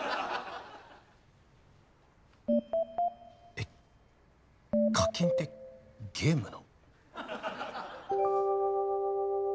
えっ課金ってゲームの？